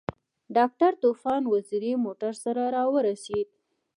ډاکټر طوفان وزیری موټر سره راورسېد.